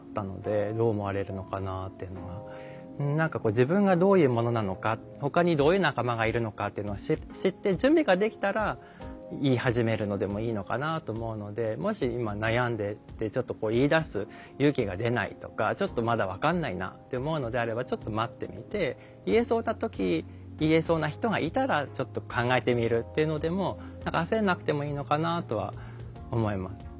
自分がどういうものなのかほかにどういう仲間がいるのかっていうのを知って準備ができたら言い始めるのでもいいのかなと思うのでもし今悩んでてちょっと言いだす勇気が出ないとかちょっとまだ分かんないなって思うのであればちょっと待ってみて言えそうな時言えそうな人がいたらちょっと考えてみるっていうのでも何か焦んなくてもいいのかなとは思います。